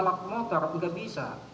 kalau kita mau jalan motor enggak bisa